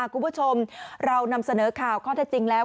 คุณผู้ชมเรานำเสนอข่าวข้อเท็จจริงแล้ว